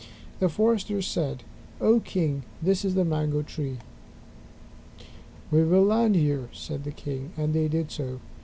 The foresters said, "O King, this is the mango tree." "We will land here," said the king, and they did so.